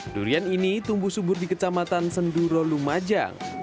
durian ini tumbuh subur di kecamatan senduro lumajang